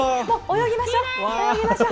泳ぎましょう。